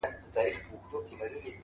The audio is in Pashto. ډېري اوښکي توی کړي وای